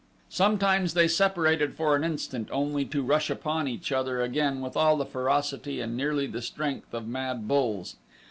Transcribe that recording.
Sometimes they separated for an instant only to rush upon each other again with all the ferocity and nearly the strength of mad bulls.